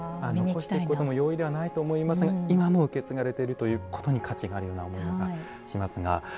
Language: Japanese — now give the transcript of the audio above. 残していくことも容易ではないと思いますが今も受け継がれていることに価値があるような気がしますが。